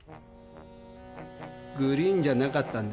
グリーンじゃなかったんです。